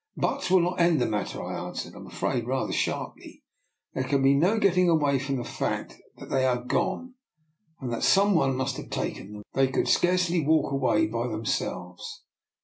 " Buts will not mend the matter,'' I an swered, I am afraid rather sharply. There can be no getting away from the fact that they are gone, and that some one must have taken them. They could scarcely walk away by themselves."